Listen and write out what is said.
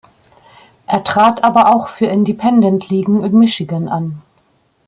Er trat aber auch für Independent-Ligen in Michigan an.